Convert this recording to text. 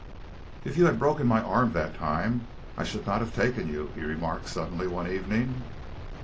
"If you had broken my arm that time, I should not have taken you," he remarked suddenly one evening.